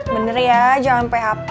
bener ya jangan php